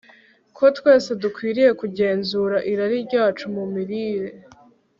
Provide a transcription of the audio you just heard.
ko twese dukwiriye kugenzura irari ryacu mu mirire